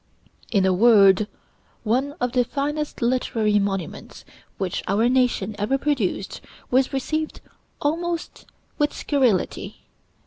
In a word, one of the finest literary monuments which our nation ever produced was received almost with scurrility.